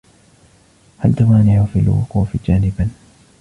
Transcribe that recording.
هل تمانع في الوقوف جانبًا ؟